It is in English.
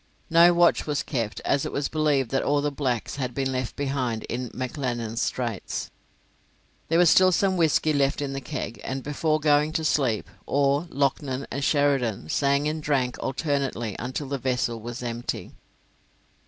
No watch was kept, as it was believed that all the blacks had been left behind in McLennan's Straits. There was still some whisky left in the keg; and, before going to sleep, Orr, Loughnan, and Sheridan sang and drank alternately until the vessel was empty.